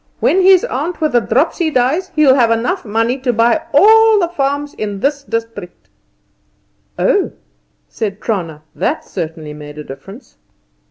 When his aunt with the dropsy dies he'll have money enough to buy all the farms in this district." "Oh!" said Trana. That certainly made a difference.